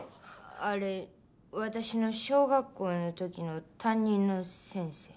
あれ私の小学校の時の担任の先生。